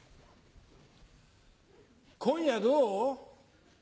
今夜どう？